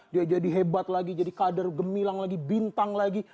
dia jadi hebat lagi jadi kader gemilang lagi bintang lagi